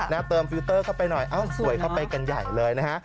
เติมฟิลเตอร์เข้าไปหน่อยเอ้าสวยเข้าไปกันใหญ่เลยนะฮะ